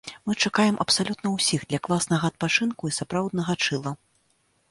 Мы чакаем абсалютна ўсіх для класнага адпачынку і сапраўднага чылла!